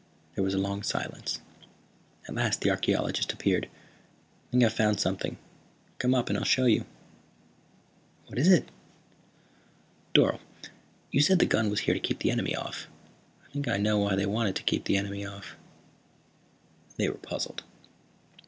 There was a long silence. At last the archeologist appeared. "I think I've found something. Come up and I'll show you." "What is it?" "Dorle, you said the gun was here to keep the enemy off. I think I know why they wanted to keep the enemy off." They were puzzled.